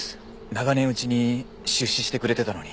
長年うちに出資してくれてたのに。